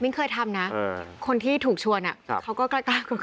มิ้งเคยทำนะคนที่ถูกชวนเขาก็กล้ากลัว